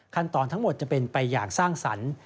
ทั้งหมดจะเป็นไปอย่างสร้างสรรค์